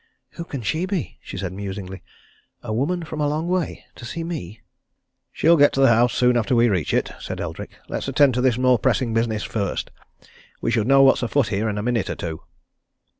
"Who can she be?" she said musingly. "A woman from a long way to see me?" "She'll get to the house soon after we reach it," said Eldrick. "Let's attend to this more pressing business first. We should know what's afoot here in a minute or two."